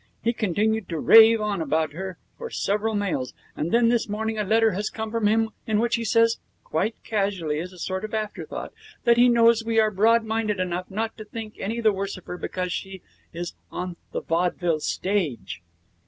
He continued to rave about her for several mails, and then this morning a letter has come from him in which he says, quite casually as a sort of afterthought, that he knows we are broadminded enough not to think any the worse of her because she is on the vaudeville stage.'